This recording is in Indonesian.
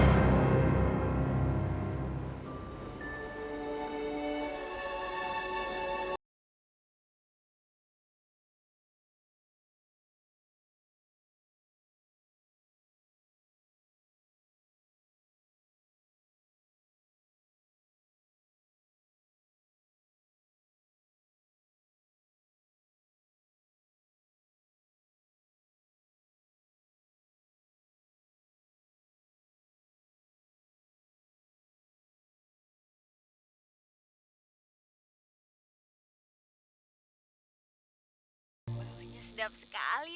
terima kasih tuhan putri